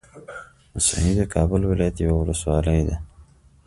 موسهي د کابل ولايت يوه ولسوالۍ ده